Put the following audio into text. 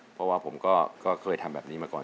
เพราะว่าผมก็เคยทำแบบนี้มาก่อน